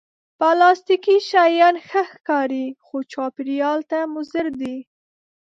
پلاستيکي شیان ښه ښکاري، خو چاپېریال ته مضر دي